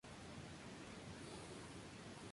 Con un ala recortada, solo pueden volar distancias cortas.